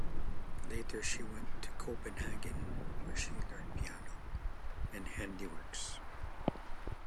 Later she went to Copenhagen, where she learned piano and handiworks.